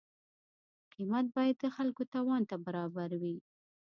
قیمت باید د خلکو توان ته برابر وي.